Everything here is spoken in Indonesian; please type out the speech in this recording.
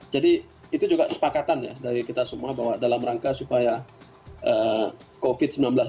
jadi itu juga sepakatan ya dari kita semua bahwa dalam rangka supaya covid sembilan belas ini tidak semakin menyebabkan